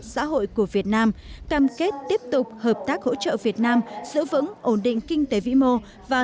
xã hội của việt nam cam kết tiếp tục hợp tác hỗ trợ việt nam giữ vững ổn định kinh tế vĩ mô và